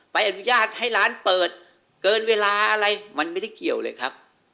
อนุญาตให้ร้านเปิดเกินเวลาอะไรมันไม่ได้เกี่ยวเลยครับ